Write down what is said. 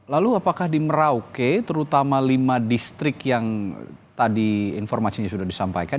lalu apakah di merauke terutama lima distrik yang tadi informasinya sudah disampaikan